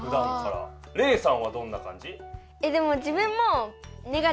レイさんはどんな感じ？